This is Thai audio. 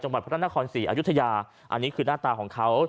จังหวัดพระราชนาคอนศรีอายุธยาอันนี้คือหน้าตาของเขา